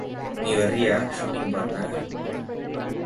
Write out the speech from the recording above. நீ வர்றியா ஷூட்டிங் பார்க்க?